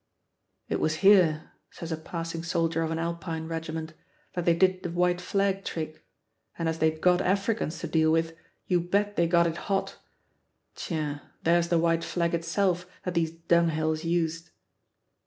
"It was here," says a passing soldier of an Alpine regiment, "that they did the white flag trick; and as they'd got Africans to deal with, you bet they got it hot! Tiens, there's the white flag itself that these dunghills used."